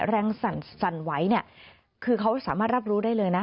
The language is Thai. สั่นไหวเนี่ยคือเขาสามารถรับรู้ได้เลยนะ